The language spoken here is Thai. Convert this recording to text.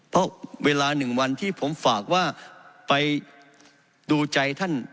เพราะเวลาหนึ่งวันที่ผมฝากว่าไปดูใจท่าน